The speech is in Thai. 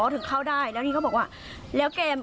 ถึงเข้าได้แล้วที่นี่เขาบอกว่า